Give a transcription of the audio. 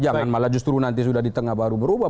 jangan malah justru nanti sudah di tengah baru berubah